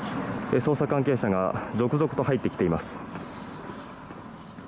捜査関係者が続々と入ってきています。